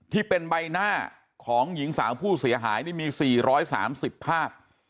ที่เป็นใบหน้าของหญิงสาวผู้เสียหายนี่มี๔๓๐ภาพ